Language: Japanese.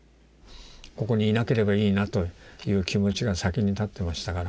ここにいなければいいなという気持ちが先に立ってましたから。